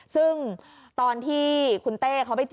ซึ่งตอนที่คุณเต้เขาไปเจอ